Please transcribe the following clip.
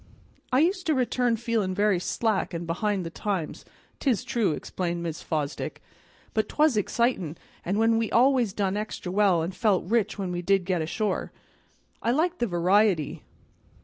"I used to return feelin' very slack an' behind the times, 'tis true," explained Mrs. Fosdick, "but 'twas excitin', an' we always done extra well, and felt rich when we did get ashore. I liked the variety.